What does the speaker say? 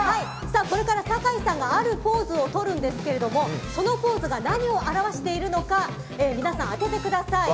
これから酒井さんがあるポーズをとるんですけどそのポーズが何を表しているのか皆さん、当ててください。